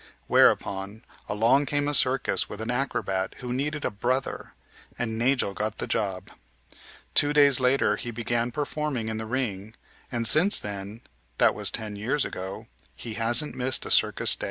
Whereupon along came a circus with an acrobat who needed a "brother," and Nagel got the job. Two days later he began performing in the ring, and since then that was ten years ago he hasn't missed a circus day.